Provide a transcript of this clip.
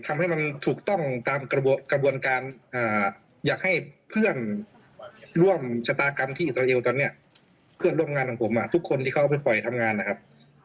ทำให้มันถูกต้องตามกระบวนการอยากให้เพื่อนร่วมชะตากรรมที่อิสราเอลตอนนี้เพื่อนร่วมงานของผมทุกคนที่เขาเอาไปปล่อยทำงานนะครับ